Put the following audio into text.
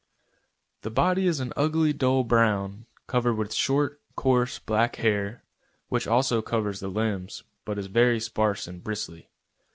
The body is an ugly, dull brown, covered with short, coarse, black hair, which also covers the limbs, but is very sparse and bristly.